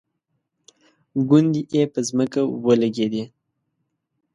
ګونډې یې په ځمکه ولګېدې.